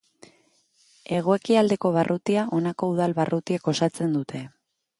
Hego-ekialdeko barrutia honako udal barrutiek osatzen dute.